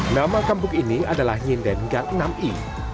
nama kampung ini adalah nginden gang enam i